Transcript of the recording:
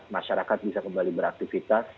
masyarakat bisa kembali beraktifitas